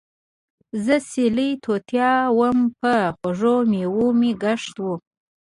زۀ سېلي طوطا ووم پۀ خوږو مېوو مې ګشت وو